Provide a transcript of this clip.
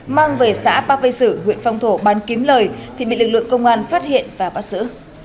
mang về xã ba vệ sử huyện phong thổ bán kiếm lời thì bị lực lượng công an phát hiện và bắt xử